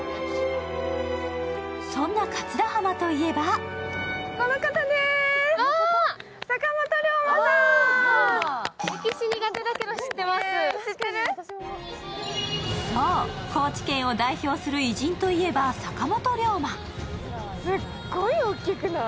そんな桂浜といえばそう、高知県を代表する偉人といえば坂本龍馬。